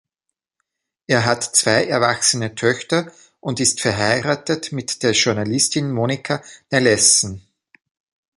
Er hat zwei erwachsene Töchter und ist verheiratet mit der Journalistin Monika Nellessen.